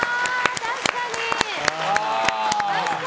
確かに！